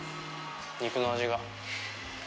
肉の味が。